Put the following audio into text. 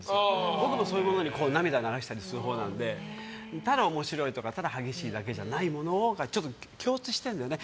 僕もそういうものに涙流したりするほうなのでただ面白いとかただ激しいだけじゃないもの。共通してるんだよね。